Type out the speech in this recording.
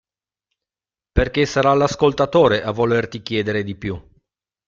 Perché sarà l'ascoltatore a volerti chiedere di più.